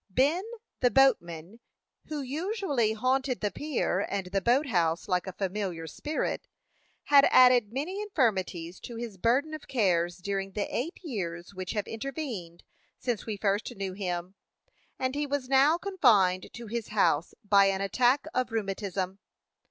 Ben, the boatman, who usually haunted the pier and the boat house like a familiar spirit, had added many infirmities to his burden of cares during the eight years which have intervened since we first knew him, and he was now confined to his house by an attack of rheumatism.